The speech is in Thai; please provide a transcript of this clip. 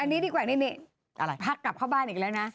อันนี้ดีกว่านี่พักกลับเข้าบ้านอีกแล้วนะ